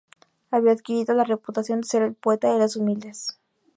Había adquirido la reputación de ser el poeta de los humildes.